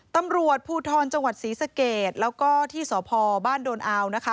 ตำรวจภูทรจังหวัดศรีสะเกดแล้วก็ที่สพบ้านโดนอาวนะคะ